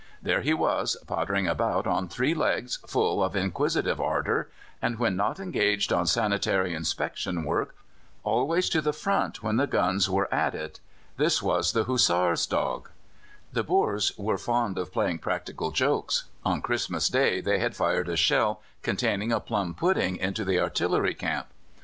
There he was, pottering about on three legs, full of inquisitive ardour, and when not engaged on sanitary inspection work, always to the front when the guns were at it. This was the Hussars' dog. The Boers were fond of playing practical jokes. On Christmas Day they had fired a shell containing a plum pudding into the artillery camp.